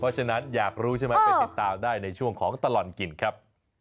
เพราะฉะนั้นอยากรู้ใช่ไหมไปติดตามได้ในช่วงของตลอดกินครับ